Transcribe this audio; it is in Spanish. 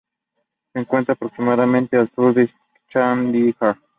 Se encuentra aproximadamente al sur de Chandigarh.